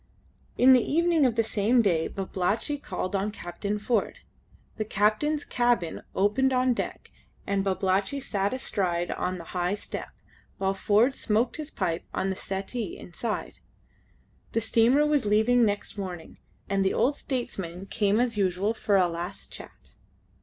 In the evening of the same day Babalatchi called on Captain Ford. The captain's cabin opened on deck, and Babalatchi sat astride on the high step, while Ford smoked his pipe on the settee inside. The steamer was leaving next morning, and the old statesman came as usual for a last chat.